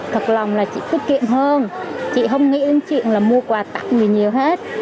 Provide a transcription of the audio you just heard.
thật lòng là chị tiết kiệm hơn chị không nghĩ đến chuyện là mua quà tặng gì nhiều hết